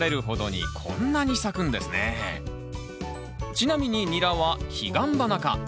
ちなみにニラはヒガンバナ科。